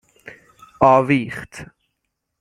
آویخت